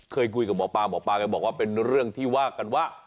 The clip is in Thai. เคยคุยกับหมอปลาหมอปลาแกบอกว่าเป็นเรื่องที่ว่ากันว่า